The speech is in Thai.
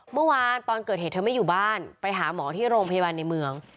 เมื่อวานตอนเกิดเหตุเธอไม่อยู่บ้านไปหาหมอที่โรงพยาบาลในเมือง